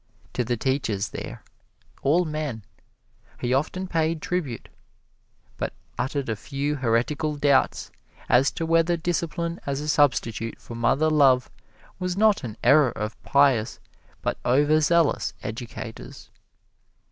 To the teachers here all men he often paid tribute, but uttered a few heretical doubts as to whether discipline as a substitute for mother love was not an error of pious but overzealous educators.